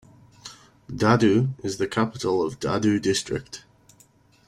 Dadu is the capital of Dadu District.